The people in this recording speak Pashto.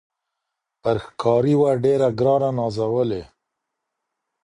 پر ښکاري وه ډېر ه ګرانه نازولې